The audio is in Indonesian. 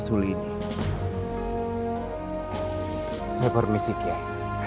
saya permisi kiai